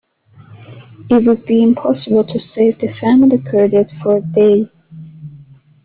It would be impossible to save the family credit for a day.